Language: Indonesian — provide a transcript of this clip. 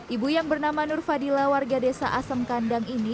ibu yang bernama nur fadila warga desa asem kandang ini